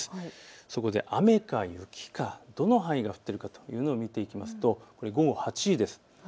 そこで雨か雪かどの範囲が降っているかというのを見てみますと午後８時です。